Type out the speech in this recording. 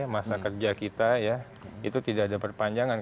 masa kerja kita ya itu tidak ada perpanjangan